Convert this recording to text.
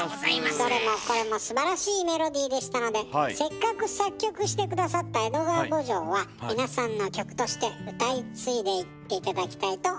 どれもこれもすばらしいメロディーでしたのでせっかく作曲して下さった「江戸川慕情」は皆さんの曲として歌い継いでいって頂きたいと思います。